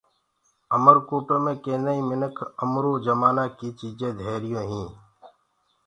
اُمرڪوٽو مي ڪيندآئين منک اُمرو جمآنآ ڪي چيجين ڌيريون هين